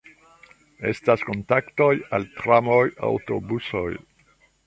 Estas kontaktoj al tramoj, aŭtobusoj.